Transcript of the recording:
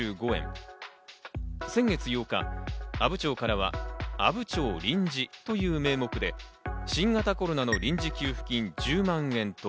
先月８日、阿武町からは、アブチヨウリンジという名目で新型コロナの臨時給付金１０万円と